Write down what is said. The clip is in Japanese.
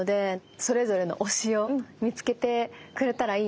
それぞれの推しを見つけてくれたらいいなって思いましたね。